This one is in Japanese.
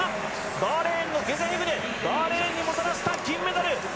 バーレーンのゲザヘグネバーレーンにもたらした金メダル！